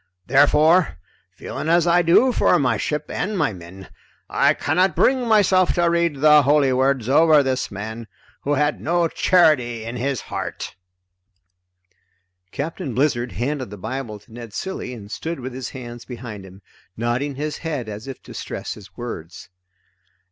Therefore, feeling as I do for my ship and my men, I cannot bring myself to read the holy words over this man who had no charity in his heart." Captain Blizzard handed the Bible to Ned Cilley and stood with his hands behind him, nodding his head as if to stress his words.